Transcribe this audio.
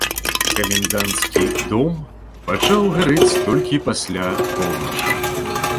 Каменданцкі дом пачаў гарэць толькі пасля поўначы.